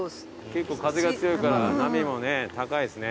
結構風が強いから波もね高いですね。